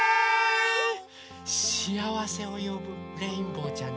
しあわせをよぶレインボーちゃんです。